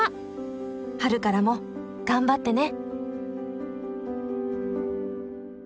春からも頑張ってね。